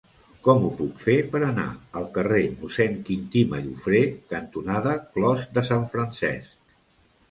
Com ho puc fer per anar al carrer Mossèn Quintí Mallofrè cantonada Clos de Sant Francesc?